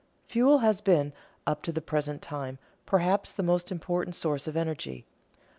Fuel has been, up to the present time, perhaps the most important source of energy.